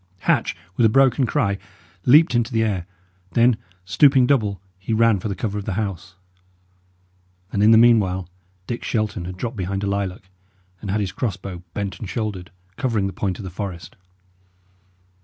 Hatch, with a broken cry, leapt into the air; then, stooping double, he ran for the cover of the house. And in the meanwhile Dick Shelton had dropped behind a lilac, and had his crossbow bent and shouldered, covering the point of the forest.